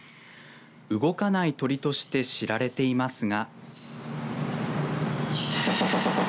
動かない鳥として知られていますが。